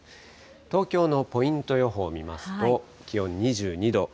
東京のポイント予報を見ますと、気温２２度。